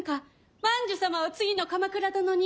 万寿様を次の鎌倉殿に！